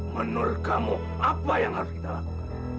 menurut kamu apa yang harus kita lakukan